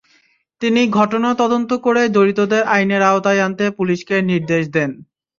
তিনি ঘটনা তদন্ত করে জড়িতদের আইনের আওতায় আনতে পুলিশকে নির্দেশ দেন।